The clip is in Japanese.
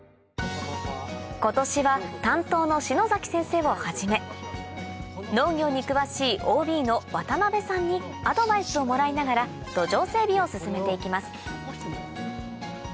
今年は担当の篠先生をはじめ農業に詳しいＯＢの渡さんにアドバイスをもらいながら土壌整備を進めていきます